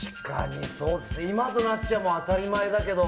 今となっては当たり前だけど。